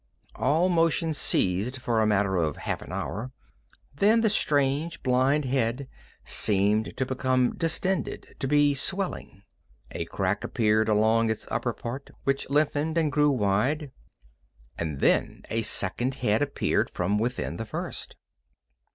All motion ceased for a matter of perhaps half an hour, and then the strange, blind head seemed to become distended, to be swelling. A crack appeared along its upper part, which lengthened and grew wide. And then a second head appeared from within the first.